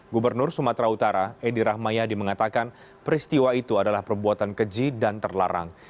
gubernur sumatera utara edi rahmayadi mengatakan peristiwa itu adalah perbuatan keji dan terlarang